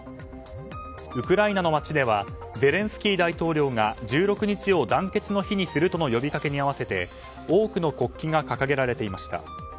ウクライナの街ではゼレンスキー大統領が１６日を団結の日にするとの呼びかけに合わせて多くの国旗が掲げられていました。